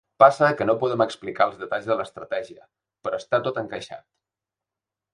Passa que no podem explicar els detalls de l’estratègia, però està tot encaixat.